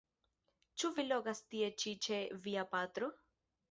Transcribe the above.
Ĉu vi logas tie ĉi ĉe via patro?